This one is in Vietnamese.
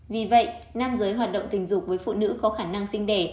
vì vậy nam giới hoạt động tình dục với phụ nữ có khả năng sinh đề